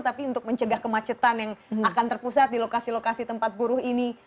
tapi untuk mencegah kemacetan yang akan terpusat di lokasi lokasi tempat buruh ini